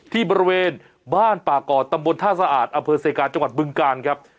บริเวณบ้านป่าก่อตำบลท่าสะอาดอเภอเซกาจังหวัดบึงกาลครับ